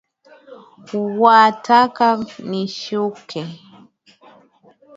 Wataka nishuke?